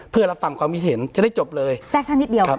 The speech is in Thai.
เพื่อรับฟังความคิดเห็นจะได้จบเลยแทรกท่านนิดเดียวครับ